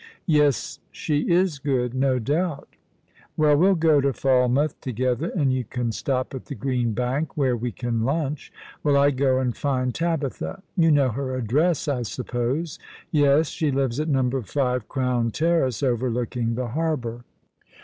" Yes, she is good, no doubt." " Well, we'll go to Falmouth together, and you can stop at the Green Bank, where we can lunch, while I go and find Tabitha. You know her address, I supj'tose ?" "Yes. She lives at No. 5, Crown Terrace, overlooking the harbour."